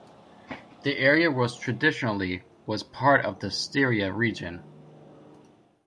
The area was traditionally was part of the Styria region.